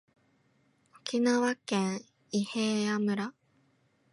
沖縄県伊平屋村